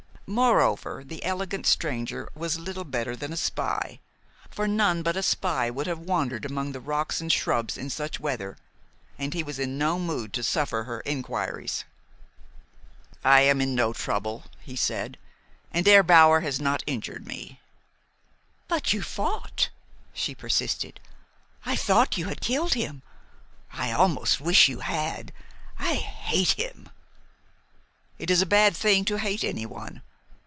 Moreover, the elegant stranger was little better than a spy, for none but a spy would have wandered among the rocks and shrubs in such weather, and he was in no mood to suffer her inquiries. "I am in no trouble," he said, "and Herr Bauer has not injured me." "But you fought," she persisted. "I thought you had killed him. I almost wish you had. I hate him!" "It is a bad thing to hate anyone.